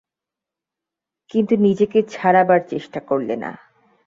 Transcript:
কিন্তু নিজেকে ছাড়াবার চেষ্টা করলে না।